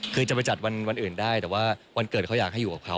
คือจะไปจัดวันอื่นได้แต่ว่าวันเกิดเขาอยากให้อยู่กับเขา